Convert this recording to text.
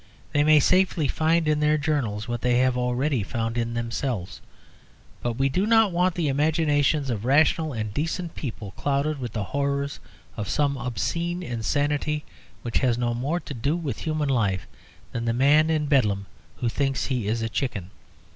They may safely find in their journals what they have already found in themselves. But we do not want the imaginations of rational and decent people clouded with the horrors of some obscene insanity which has no more to do with human life than the man in Bedlam who thinks he is a chicken.